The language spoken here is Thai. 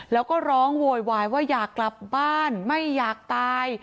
แล้วก็ร้องโวยวายว่าอยากกลับบ้านไม่อยากตาย